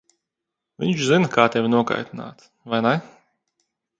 Viņš zina, kā tevi nokaitināt, vai ne?